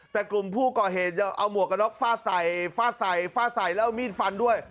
แต่กลุ่มผู้ก่อเหตุเอาหมวกกระดอกฝ้าใส่ฝ้าใส่ฝ้าใส่แล้วมีดฟันด้วย